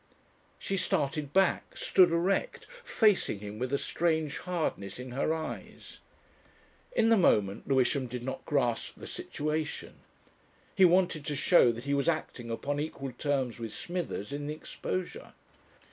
She started back, stood erect, facing him with a strange hardness in her eyes. In the moment Lewisham did not grasp the situation. He wanted to show that he was acting upon equal terms with Smithers in the exposure.